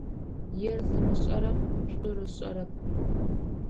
Ер зымышӏэрэм шӏур ышӏэрэп.